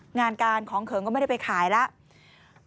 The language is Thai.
งานการของเขิงก็ไม่ได้ไปขายแล้ว